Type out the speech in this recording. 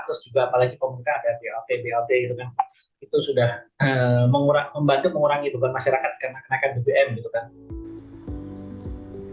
terus juga apalagi pemerintah ada blt blt gitu kan itu sudah membantu mengurangi beban masyarakat karena kenaikan bbm gitu kan